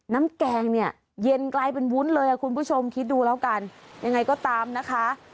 แกงเนี่ยเย็นกลายเป็นวุ้นเลยอ่ะคุณผู้ชมคิดดูแล้วกันยังไงก็ตามนะคะ